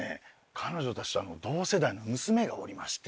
彼女たちと同世代の娘がおりまして。